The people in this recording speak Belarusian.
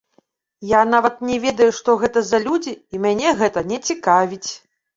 Я нават не ведаю, што гэта за людзі і мяне гэта не цікавіць.